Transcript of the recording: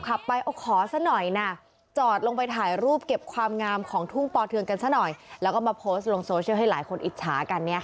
ขับไปเอาขอซะหน่อยนะจอดลงไปถ่ายรูปเก็บความงามของทุ่งปอเทืองกันซะหน่อยแล้วก็มาโพสต์ลงโซเชียลให้หลายคนอิจฉากันเนี่ยค่ะ